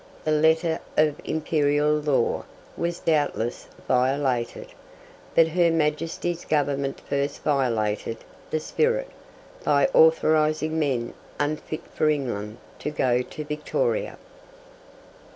The letter of imperial law was doubtless violated; but Her Majesty's Government first violated the spirit, by authorizing men unfit for England to go to Victoria.